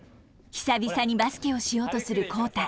久々にバスケをしようとする浩太。